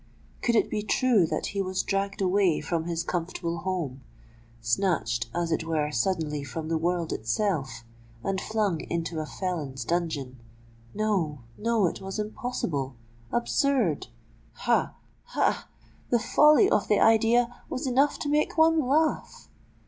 Could it be true that he was dragged away from his comfortable home—snatched as it were suddenly from the world itself—and flung into a felon's dungeon? No—no: it was impossible—absurd. Ha! ha! the folly of the idea was enough to make one laugh!